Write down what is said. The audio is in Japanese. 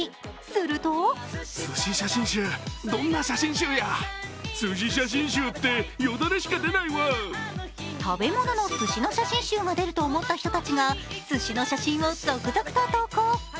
すると食べ物のすしの写真集が出ると思った人たちがすしの写真を続々と投稿。